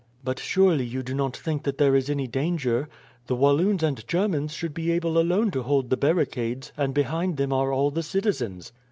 "But surely you do not think that there is any danger. The Walloons and Germans should be able alone to hold the barricades, and behind them are all the citizens."